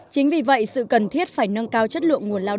chính vì vậy sự cần thiết phải nâng cao chất lượng nguồn lao động